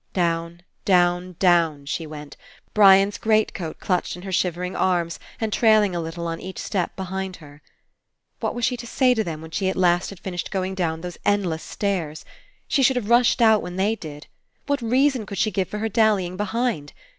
Down, down, down, she went, Brian's great coat clutched in her shivering arms and trailing a little on each step behind her. What was she to say to them when at last she had finished going down those endless stairs? She should have rushed out when they did. What reason could she give for her dally ing behind?